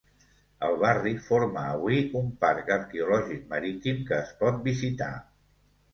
El barri forma avui un parc arqueològic marítim que es pot visitar.